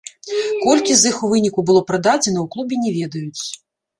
Колькі з іх у выніку было прададзена, у клубе не ведаюць.